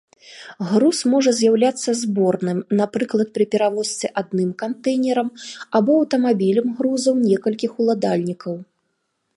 Груз можа з'яўляцца зборным, напрыклад, пры перавозцы адным кантэйнерам або аўтамабілем грузаў некалькіх уладальнікаў.